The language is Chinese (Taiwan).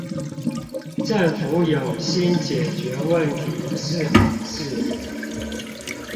政府有心解決問題是好事